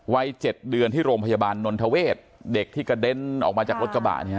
ไว้๗เดือนที่โรงพยาบาลนรณเทวร์เด็กที่กระเด้นออกมาจากรถกระบะ